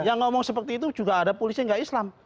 yang ngomong seperti itu juga ada polisi yang nggak islam